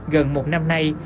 gần một năm nay